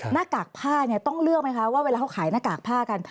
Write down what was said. หน้ากากผ้าเนี่ยต้องเลือกไหมคะว่าเวลาเขาขายหน้ากากผ้ากัน